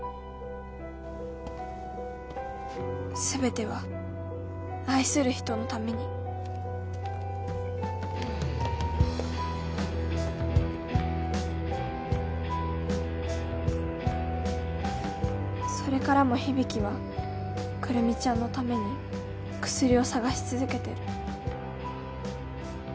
全ては愛する人のためにそれからも響は来美ちゃんのために薬を探し続けてる。